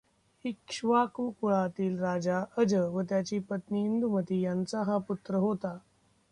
इक्ष्वाकु कुळातील राजा अज व त्याची पत्नी इंदुमती यांचा हा पुत्र होता.